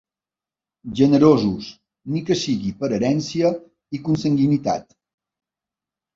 Generosos, ni que sigui per herència i consanguinitat.